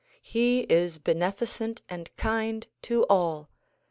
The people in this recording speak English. He is beneficent and kind to all.